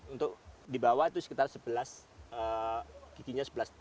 untuk di bawah itu sekitar sebelas giginya sebelas tiga